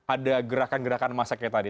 ada gerakan gerakan masaknya tadi